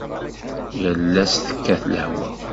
Yal ass tekkat lehwa.